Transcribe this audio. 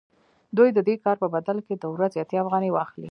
دوی د دې کار په بدل کې د ورځې اتیا افغانۍ واخلي